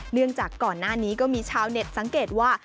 จากก่อนหน้านี้ก็มีชาวเน็ตสังเกตว่า